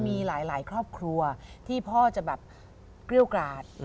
มีหลายครอบครัวที่พ่อจะแบบเกรี้ยวกราด